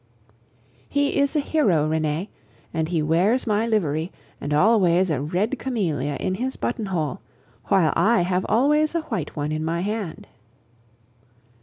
He is a hero, Renee, and he wears my livery, and always a red camellia in his buttonhole, while I have always a white one in my hand.